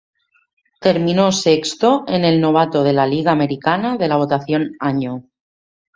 Terminó sexto en el novato de la Liga Americana de la votación Año.